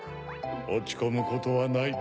おちこむことはない。